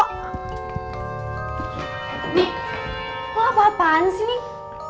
nih lu apa apaan sih